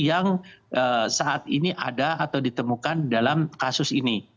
yang saat ini ada atau ditemukan dalam kasus ini